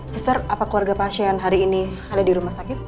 cister apa keluarga pasien hari ini ada di rumah sakit